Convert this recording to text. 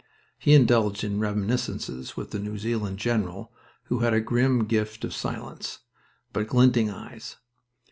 He indulged in reminiscences with the New Zealand general who had a grim gift of silence, but glinting eyes.